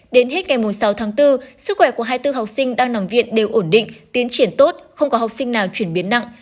đến hết ngày sáu tháng bốn sức khỏe của hai mươi bốn học sinh đang nằm viện đều ổn định tiến triển tốt không có học sinh nào chuyển biến nặng